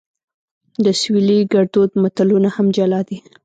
د سویلي ګړدود متلونه هم جلا دي